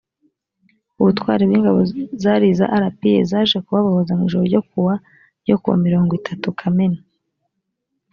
ubutwari bw ingabo zari iza rpa zaje kubabohoza mu ijoro ryo kuwa ryo kuwa mirongwitatu kamena